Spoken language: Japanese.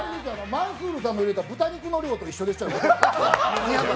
マンスールさんが入れた豚肉の量と一緒ですよね。